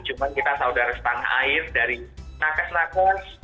cuma kita saudara setang air dari nakas nakas